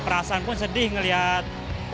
perasaan pun sedih melihat